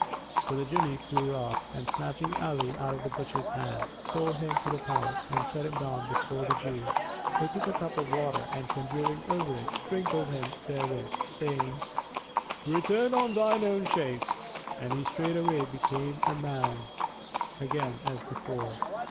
So the Jinni flew off and, snatching Ali out of the butcher's hands, bore him to the palace and set him down before the Jew, who took a cup of water and conjuring over it, sprinkled him therewith, saying, "Return to thine own shape." And he straightway became a man again as before.